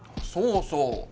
そうそう。